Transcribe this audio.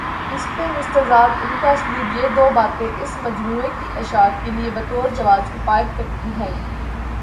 اس پہ مستزاد ان کا اسلوب یہ دوباتیں اس مجموعے کی اشاعت کے لیے بطورجواز کفایت کرتی ہیں۔